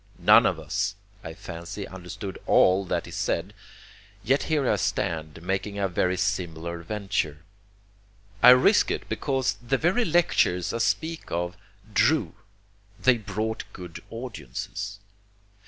None of us, I fancy, understood ALL that he said yet here I stand, making a very similar venture. I risk it because the very lectures I speak of DREW they brought good audiences.